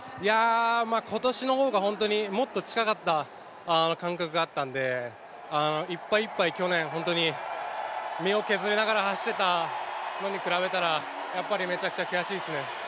今年の方がもっと近かった感覚があったのでいっぱいいっぱい去年、身を削りながら走っていたのに比べたら、めちゃくちゃ悔しいですね。